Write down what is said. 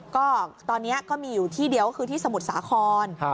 ก็ตอนนี้ก็มีอยู่ที่เดียวก็คือที่สมุทรสาคร